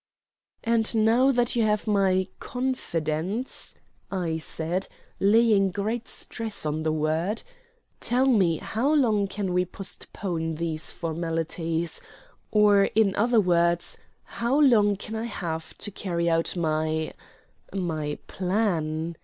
"And now that you have my confidence," I said, laying great stress on the word, "tell me how long can we postpone these formalities or, in other words, how long can I have to carry out my my plan?"